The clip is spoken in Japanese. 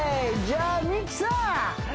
じゃあ未姫さん